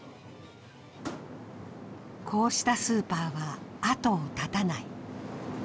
こうしたスーパーは後を絶たない。